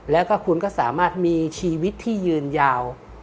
แล้วก็คุณก็สามารถมีชีวิตที่ยืนยาว